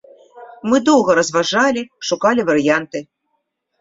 Мы доўга разважалі, шукалі варыянты.